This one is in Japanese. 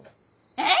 えっ！